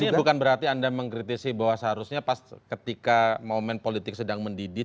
ini bukan berarti anda mengkritisi bahwa seharusnya pas ketika momen politik sedang mendidih